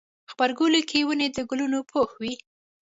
غبرګولی کې ونې د ګلانو پوښ وي.